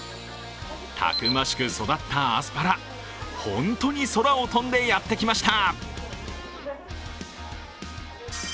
たくましく育ったアスパラ、ホントに空を飛んでやってきました。